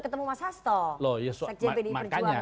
tapi kan kemarin sudah ketemu mas hasto